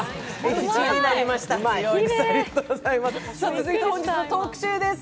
続いて本日の特集です。